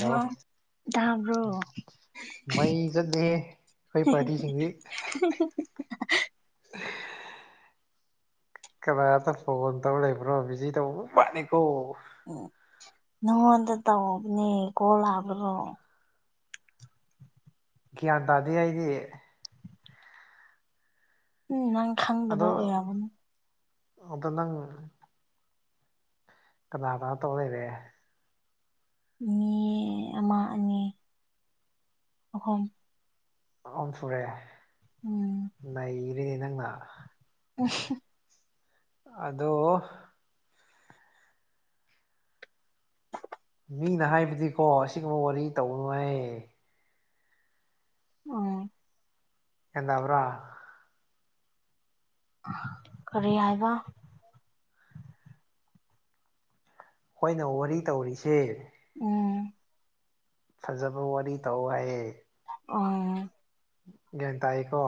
ꯂꯣ ꯇꯥꯕ꯭ꯔꯣ ꯃꯩ ꯆꯠꯂꯦꯍꯦ ꯈꯣꯏ ꯄꯥꯔꯇꯤꯁꯤꯡꯗꯤ ꯀꯅꯥꯇ ꯐꯣꯟ ꯇꯧ ꯂꯩꯕ꯭ꯔꯣ ꯕꯤꯖꯤ ꯇꯧꯕ ꯃꯥꯅꯤꯀꯣ ꯎꯝ ꯅꯉꯣꯟꯗ ꯇꯧꯕꯅꯦ ꯀꯣꯜ ꯂꯥꯛꯄꯗꯣ ꯒ꯭ꯌꯥꯟ ꯇꯥꯗꯦ ꯑꯩꯗꯤ ꯎꯝ ꯅꯪ ꯈꯪꯗꯕ ꯑꯣꯏꯔꯝꯒꯅꯤ ꯑꯗꯨ ꯅꯪ ꯀꯅꯥꯗ ꯇꯧ ꯂꯩꯔꯦ ꯃꯤ ꯑꯃ ꯑꯅꯤ ꯑꯍꯨꯝ ꯑꯍꯨꯝ ꯁꯨꯔꯦ ꯎꯝ ꯅꯩꯔꯦꯅꯦ ꯅꯪꯅ [unintelligible] ꯑꯗꯣ ꯃꯤꯅ ꯍꯥꯏꯕꯗꯤꯀꯣ ꯑꯁꯤꯒꯨꯝꯕ ꯋꯥꯔꯤ ꯇꯧꯒꯅꯨ ꯍꯦ ꯑꯣ ꯒ꯭ꯌꯥꯟ ꯇꯥꯕ꯭ꯔꯥ ꯀꯔꯤ ꯍꯥꯏꯕ ꯈꯣꯏꯅ ꯋꯥꯔꯤ ꯇꯧꯔꯤꯖꯦ ꯎꯝ ꯐꯖꯕ ꯋꯥꯔꯤ ꯇꯧ ꯍꯥꯏꯌꯦ ꯑꯣ ꯒ꯭ꯌꯥꯟ ꯇꯥꯏꯌꯦꯀꯣ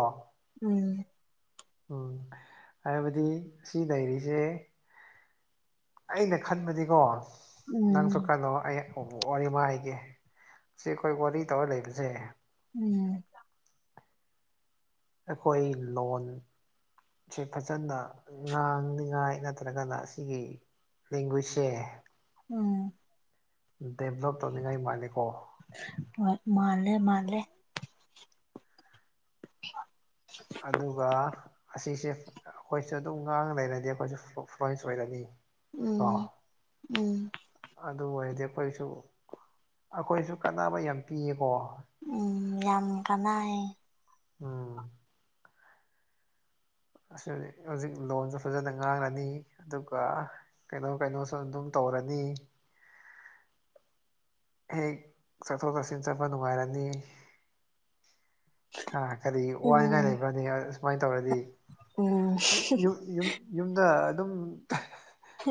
ꯎꯝ ꯎꯝ ꯍꯥꯏꯕꯗꯤ ꯁꯤ ꯂꯩꯔꯤꯖꯦ ꯑꯩꯅ ꯈꯟꯕꯗꯤꯀꯣ ꯅꯪꯁꯨ ꯎꯝ ꯈꯜꯂꯣ ꯑꯩ ꯑꯣ ꯋꯥꯔꯤꯃ ꯍꯥꯏꯒꯦ ꯁꯦ ꯈꯣꯏ ꯋꯥꯔꯤ ꯇꯧꯔ ꯂꯩꯕꯖꯦ ꯎꯝ ꯑꯩꯈꯣꯏ ꯂꯣꯟ ꯏꯁꯩ ꯐꯖꯅ ꯉꯥꯡꯅꯤꯉꯥꯏ ꯅꯠꯇ꯭ꯔꯒꯅ ꯑꯁꯤꯒꯤ ꯂꯦꯡꯒꯨꯏꯁꯁꯦ ꯎꯝ ꯗꯦꯕꯂꯞ ꯇꯧꯅꯤꯉꯥꯏ ꯃꯥꯜꯂꯦꯀꯣ ꯍꯣꯏ ꯃꯥꯜꯂꯦ ꯃꯥꯜꯂꯦ [inaudible] ꯑꯗꯨꯒ ꯑꯁꯤꯁꯦ ꯑꯈꯣꯏꯁꯨ ꯑꯗꯨꯝ ꯉꯥꯡ ꯂꯩꯔꯗꯤ ꯑꯈꯣꯏꯁꯨ ꯐꯣ ꯐ꯭ꯂꯣꯏꯟꯁ ꯑꯣꯏꯔꯅꯤ ꯎꯝ ꯀꯣ ꯎꯝ ꯑꯗꯨ ꯑꯣꯏꯔꯗꯤ ꯑꯈꯣꯏꯁꯨ ꯑꯈꯣꯏꯁꯨ ꯀꯥꯟꯅꯕ ꯌꯥꯝ ꯄꯤꯌꯦꯀꯣ ꯎꯝ ꯌꯥꯝ ꯀꯥꯅꯥꯏꯌꯦ ꯎꯝ ꯑꯁꯤ ꯍꯨꯖꯤꯛ ꯍꯧꯖꯤꯛ ꯂꯣꯟꯖꯨ ꯐꯖꯅ ꯉꯥꯡꯂꯅꯤ ꯑꯗꯨꯒ ꯀꯩꯅꯣ ꯀꯩꯅꯣꯁꯨ ꯑꯗꯨꯝ ꯇꯧꯔꯅꯤ ꯍꯦꯛ ꯆꯠꯊꯣꯛ ꯆꯠꯁꯤꯟ ꯆꯠꯄ ꯅꯨꯡꯉꯥꯏꯔꯅꯤ ꯍꯥ ꯀꯔꯤ ꯋꯥꯅꯤꯡꯉꯥꯏ ꯎꯝ ꯂꯩꯕ꯭ꯔꯅꯦ ꯑꯥ ꯁꯨꯃꯥꯏ ꯇꯧꯔꯗꯤ ꯎꯝ ꯌꯨ ꯌꯨ ꯌꯨꯝ ꯌꯨꯝꯗ ꯑꯗꯨꯝ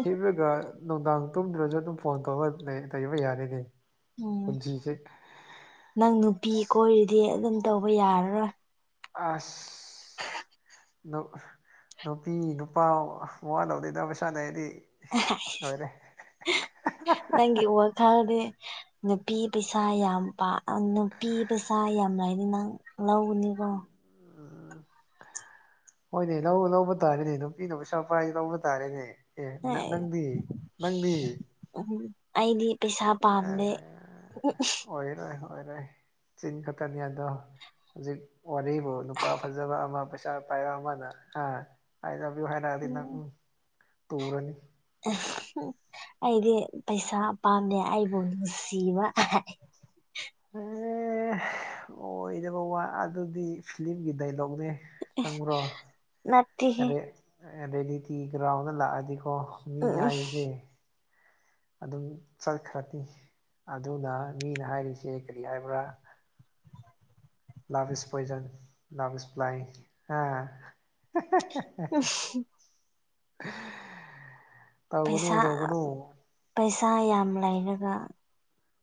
ꯍꯤꯞꯔꯒ ꯅꯨꯡꯗꯥꯡ ꯇꯨꯝꯗ꯭ꯔꯖꯨ ꯑꯗꯨꯝ ꯐꯣꯟ ꯇꯧꯔꯒ ꯂꯩ ꯂꯩꯕ ꯌꯥꯔꯦꯅꯦ ꯎꯝ ꯅꯪ ꯅꯨꯄꯤ ꯀꯣꯏꯔꯗꯤ ꯑꯗꯨꯝ ꯇꯧꯕ ꯌꯥꯔꯔꯣꯏ ꯑꯥꯁ [inaudible] ꯅꯨ ꯅꯨꯄꯤ ꯅꯨꯄꯥ ꯋꯥꯂꯧꯗꯦꯗ ꯄꯩꯁꯥ ꯂꯩꯔꯗꯤ ꯑꯦꯍꯥꯏ ꯂꯣꯏꯔꯦ ꯅꯪꯒꯤ ꯋꯥꯈꯜꯗꯤ ꯅꯨꯄꯤ ꯄꯩꯁꯥ ꯌꯥꯝ ꯄꯥ ꯑꯪ ꯅꯨꯄꯤ ꯄꯩꯁꯥ ꯌꯥꯝ ꯂꯥꯏꯗꯤ ꯅꯪ ꯂꯧꯒꯅꯤꯀꯣ ꯍꯣꯏꯅꯦ ꯂꯧ ꯂꯧꯕ ꯇꯥꯔꯦꯅꯦ ꯅꯨꯄꯤꯅ ꯄꯩꯁꯥ ꯄꯥꯏꯔꯗꯤ ꯂꯧꯕ ꯇꯥꯔꯦꯅꯦ ꯑꯦ ꯅꯪ ꯅꯪꯗꯤ ꯅꯪꯗꯤ ꯎꯝ ꯑꯩꯗꯤ ꯄꯩꯁꯥ ꯄꯥꯝꯗꯦ ꯎꯝ ꯍꯝ ꯑꯣꯏꯔꯣꯏ ꯑꯣꯏꯔꯣꯏ ꯆꯤꯟ ꯈꯛꯇꯅꯤ ꯑꯗꯣ ꯍꯨꯖꯤꯛ ꯋꯥꯔꯤꯕꯨ ꯅꯨꯄꯥ ꯐꯖꯕ ꯑꯃ ꯄꯩꯁꯥ ꯄꯥꯏꯕ ꯑꯃꯅ ꯍꯥ ꯑꯥꯏ ꯂꯚ ꯌꯨ ꯍꯥꯏꯔꯛꯑꯗꯤ ꯅꯪ ꯎꯝ ꯇꯨꯔꯅꯤ ꯑꯥ ꯍꯨꯝ ꯑꯩꯗꯤ ꯄꯩꯁꯥ ꯄꯥꯝꯗꯦ ꯑꯩꯕꯨ ꯅꯨꯡꯁꯤꯕ ꯑꯦ ꯑꯣꯏꯗꯕ ꯋꯥ ꯑꯗꯨꯗꯤ ꯐꯤꯂꯤꯝꯒꯤ ꯗꯥꯏꯂꯣꯛꯅꯦ ꯈꯪꯕ꯭ꯔꯣ ꯅꯠꯇꯦꯍꯦ ꯑꯗꯦ ꯑꯥ ꯔꯦꯂꯤꯇꯤ ꯒ꯭ꯔꯥꯎꯟꯗ ꯂꯥꯛꯑꯗꯤꯀꯣ ꯃꯤ ꯎꯝ ꯍꯥꯏꯕꯁꯦ ꯑꯗꯨꯝ ꯆꯠꯈ꯭ꯔꯅꯤ ꯑꯗꯨꯅ ꯃꯤꯅ ꯍꯥꯏꯔꯤꯁꯦ ꯀꯔꯤ ꯍꯥꯏꯕ꯭ꯔꯥ ꯂꯞ ꯏꯁ ꯄꯣꯏꯖꯟ ꯂꯞ ꯏꯁ ꯕ꯭ꯂꯥꯏꯟ ꯎꯝ [inaudible] ꯄꯩꯁꯥ ꯇꯧꯒꯅꯨ ꯄꯩꯁꯥ ꯌꯥꯝ ꯂꯩꯔꯒ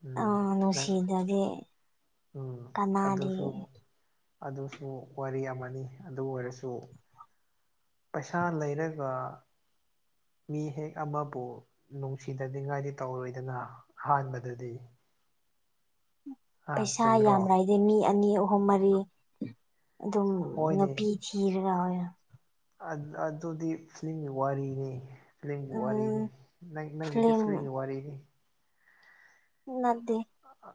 ꯎꯝ ꯑꯣ ꯅꯪ ꯅꯨꯡꯁꯤꯗꯗꯤ ꯎꯝ ꯑꯗꯨꯁꯨ ꯑꯗꯨꯁꯨ ꯋꯥꯔꯤ ꯑꯃꯅꯤ ꯑꯗꯨ ꯑꯣꯏꯔꯁꯨ ꯄꯩꯁꯥ ꯂꯩꯔꯒ ꯃꯤ ꯍꯦꯛ ꯑꯃꯥꯕꯨ ꯅꯨꯡꯁꯤꯗꯅꯤꯡꯉꯥꯏꯗꯤ ꯇꯧꯔꯣꯏꯗꯅ ꯑꯍꯥꯟꯕꯗꯗꯤ ꯑ ꯄꯩꯁꯥ ꯆꯨꯝꯗ꯭ꯔꯣ ꯌꯥꯝ ꯂꯩꯗꯤ ꯃꯤ ꯑꯅꯤ ꯑꯍꯨꯝ ꯃꯔꯤ ꯑꯗꯨꯝ ꯅꯨꯄꯤ [unintelligible] ꯑꯥꯠ ꯑꯗꯨꯗꯤ ꯐꯤꯂꯤꯝꯒꯤ ꯋꯥꯔꯤꯅꯦ ꯐ꯭ꯂꯤꯝꯒꯤ ꯎꯝ ꯋꯥꯔꯤꯅꯦ ꯅꯪ ꯅꯪꯒꯤꯗꯤ ꯐꯤꯂꯤꯡ ꯐ꯭ꯂꯤꯝꯒꯤ ꯋꯥꯔꯤꯅꯤ ꯅꯠꯇꯦ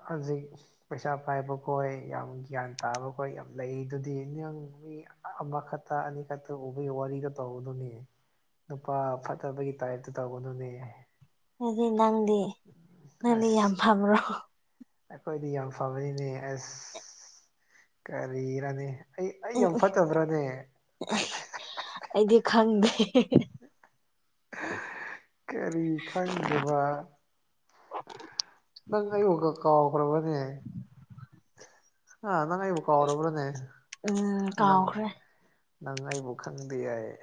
ꯍꯖꯤꯛ ꯄꯩꯁꯥ ꯄꯥꯏꯕ ꯈꯣꯏ ꯌꯥꯝ ꯒ꯭ꯌꯥꯟ ꯇꯥꯕ ꯈꯣꯏ ꯌꯥꯝ ꯂꯩ ꯗꯨꯗꯤ ꯅꯪ ꯃꯤ ꯑꯃꯈꯠꯇ ꯑꯅꯤꯈꯠꯇ ꯎꯕꯒꯤ ꯋꯥꯔꯤꯗꯣ ꯇꯧꯒꯅꯨꯅꯦ ꯅꯨꯄꯥ ꯐꯠꯇꯕꯒꯤ ꯇꯥꯏꯞꯇ ꯇꯧꯒꯅꯨꯅꯦ ꯑꯗꯤ ꯅꯪꯗꯤ ꯅꯪꯗꯤ ꯌꯥꯝ ꯑꯁ ꯐꯕ꯭ꯔꯣ ꯑꯩꯈꯣꯏꯗꯤ ꯌꯥꯝ ꯐꯕꯅꯤꯅꯦ ꯑꯁ ꯀꯔꯤꯔꯅꯦ ꯑꯩ ꯑꯩ ꯌꯥꯝ ꯐꯠꯇꯕ꯭ꯔꯥꯅꯦ ꯑꯦ ꯑꯩꯗꯤ ꯈꯪꯗꯦ ꯀꯔꯤ ꯈꯪꯗꯕ ꯅꯪ ꯑꯩ ꯋꯥꯈꯜ ꯀꯥꯎꯈ꯭ꯔꯕꯅꯦ ꯍꯥ ꯅꯪ ꯑꯩꯕꯨ ꯀꯥꯎꯔꯕꯅꯦ ꯎꯝ ꯅꯪ ꯀꯥꯎꯈ꯭ꯔꯦ ꯅꯪ ꯑꯩꯕꯨ ꯈꯪꯗꯤ ꯌꯥꯥꯏꯌꯦ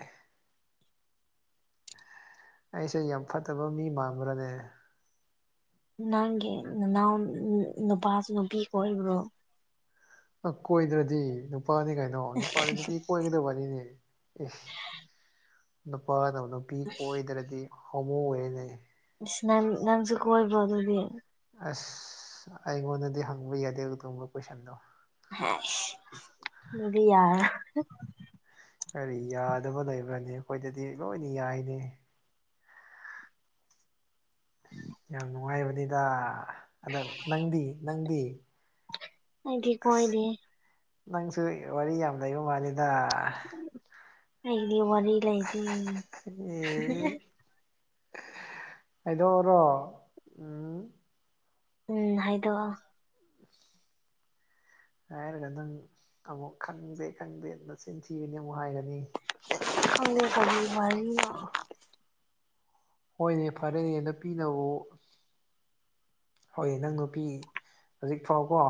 ꯑꯩꯁꯦ ꯌꯥꯝ ꯐꯠꯇꯕ ꯃꯤ ꯃꯥꯟꯕ꯭ꯔꯅꯦ ꯅꯪꯒꯤ ꯅꯅꯥꯎ ꯅꯨꯄꯥꯁꯨ ꯅꯨꯄꯤ ꯀꯣꯏꯕ꯭ꯔꯣ ꯑꯩ ꯀꯣꯏꯗ꯭ꯔꯗꯤ ꯅꯨꯄꯥꯅꯤ ꯀꯩꯅꯣ ꯅꯨꯄꯥꯗꯤ ꯅꯨꯄꯤ ꯀꯣꯏꯒꯗꯕꯅꯤꯅꯦ ꯏꯁ ꯅꯨꯄꯥꯅꯕꯨ ꯅꯨꯄꯤ ꯀꯣꯏꯗ꯭ꯔꯗꯤ ꯍꯣꯃꯣ ꯑꯣꯏꯌꯦꯅꯦ ꯏꯁ ꯅꯪ ꯅꯪꯖꯨ ꯀꯣꯏꯕ꯭ꯔꯣ ꯑꯗꯨꯗꯤ ꯑꯁ ꯑꯩꯉꯣꯟꯗꯗꯤ ꯍꯪꯕ ꯌꯥꯗꯦ ꯑꯗꯨꯒꯨꯝꯕ ꯀꯣꯏꯁꯟꯗꯣ ꯍꯩꯁ ꯑꯗꯨꯗꯤ ꯌꯥꯔꯣꯏ ꯀꯔꯤ ꯌꯥꯗꯕ ꯂꯩꯕ꯭ꯔꯅꯦ ꯑꯩꯈꯣꯏꯗꯗꯤ ꯂꯣꯏꯅ ꯌꯥꯌꯦꯅꯦ ꯌꯥꯝ ꯅꯨꯡꯉꯥꯏꯕꯅꯤꯗ ꯑꯗꯥ ꯅꯪꯗꯤ ꯅꯪꯗꯤ ꯑꯩꯗꯤ ꯑꯁ ꯀꯣꯏꯗꯦ ꯅꯪꯁꯨ ꯋꯥꯔꯤ ꯌꯥꯝ ꯂꯩꯕ ꯃꯥꯜꯂꯤꯗ ꯑꯩꯒꯤꯗꯤ ꯋꯥꯔꯤ ꯂꯩꯇꯦ ꯑꯦ ꯍꯥꯏꯗꯣꯛꯑꯣꯔꯣ ꯎꯝ ꯎꯝ ꯍꯥꯏꯗꯣꯛꯑꯣ ꯍꯥꯏꯔꯒ ꯅꯪ ꯑꯃꯨꯛ ꯈꯪꯗꯦ ꯈꯪꯗꯦ ꯅꯆꯤꯟ ꯊꯤꯒꯅꯤ ꯑꯃꯨꯛ ꯍꯥꯏꯒꯅꯤ ꯈꯪꯗꯦ ꯀꯔꯤ ꯋꯥꯔꯤꯅꯣ ꯍꯣꯏꯅꯦ ꯐꯔꯦ ꯅꯨꯄꯤꯅꯕꯨ ꯍꯣꯏ ꯅꯪ ꯅꯨꯄꯤ ꯍꯧꯖꯤꯛ ꯐꯥꯎꯀꯣ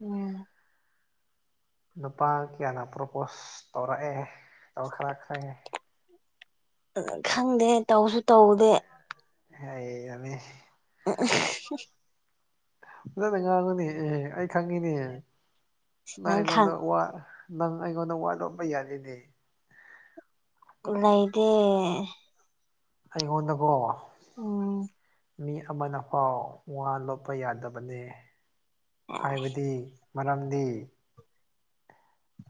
ꯎꯝ ꯅꯨꯄꯥ ꯀꯌꯥꯅ ꯄ꯭ꯔꯣꯄꯣꯁ ꯇꯧꯔꯛꯑꯦ ꯇꯧꯈ꯭ꯔꯛꯈ꯭ꯔꯦ ꯈꯪꯗꯦ ꯇꯧꯁꯨ ꯇꯧꯗꯦ ꯍꯩ ꯌꯥꯝꯃꯦ [unintelligible] ꯐꯖꯅ ꯉꯥꯡꯉꯨꯅꯦ ꯑꯦ ꯑꯩ ꯈꯪꯉꯤꯅꯦ ꯅꯪ ꯑꯩꯉꯣꯟꯗ ꯋꯥ ꯅꯪ ꯑꯩꯉꯣꯟꯗ ꯋꯥꯂꯣꯠꯄ ꯌꯥꯔꯣꯏꯅꯦ ꯂꯩꯗꯦ ꯑꯩꯉꯣꯟꯗꯥꯕꯣ ꯎꯝ ꯃꯤ ꯑꯃꯅꯐꯥꯎ ꯋꯥ ꯂꯣꯠꯄ ꯌꯥꯗꯕꯅꯦ ꯍꯥꯏꯕꯗꯤ ꯃꯔꯝꯗꯤ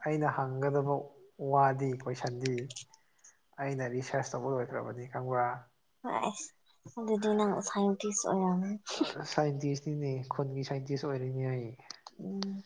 ꯑꯩꯅ ꯍꯪꯒꯗꯕ ꯋꯥꯗꯤ ꯀꯣꯏꯁꯟꯗꯤ ꯑꯩꯅ ꯔꯤꯁ꯭ꯔꯁ ꯇꯧꯕ ꯂꯣꯏꯈ꯭ꯔꯕꯅꯤ ꯈꯪꯕ꯭ꯔꯥ ꯑꯁ ꯑꯗꯨꯗꯤ ꯅꯪ ꯁꯥꯏꯟꯇꯤꯁ ꯑꯣꯏꯔꯝꯅꯤ ꯁꯥꯏꯟꯇꯤꯁꯅꯤꯅꯦ ꯈꯨꯟꯒꯤ ꯁꯥꯏꯟꯇꯤꯁ ꯑꯣꯏꯔꯤꯅꯤ ꯑꯩ ꯎꯝ